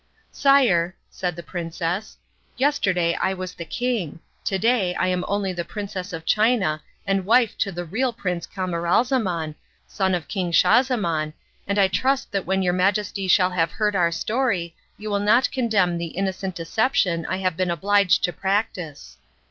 "Sire," said the princess, "yesterday I was the king, to day I am only the Princess of China and wife to the real Prince Camaralzaman, son of King Schahzaman, and I trust that when your Majesty shall have heard our story you will not condemn the innocent deception I have been obliged to practise."